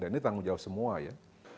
dan ini tanggung jawab semua ya